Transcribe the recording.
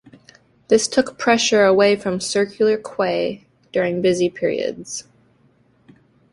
This took pressure away from Circular Quay during busy periods.